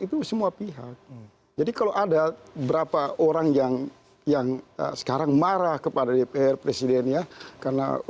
itu semua pihak jadi kalau ada berapa orang yang yang sekarang marah kepada dpr presiden ya karena